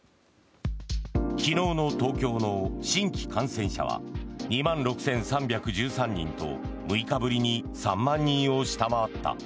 昨日の東京の新規感染者は２万６３１３人と６日ぶりに３万人を下回った。